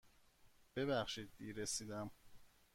ببخشید دیر رسیدم.